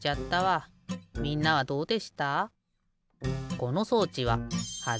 みんなはどうでした？